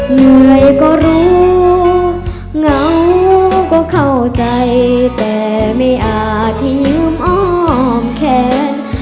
เหนื่อยก็รู้เหงาก็เข้าใจแต่ไม่อาจที่ยืมอ้อมแขน